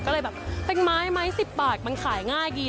ก็เลยแบบเป็นไม้ไม้๑๐บาทมันขายง่ายดี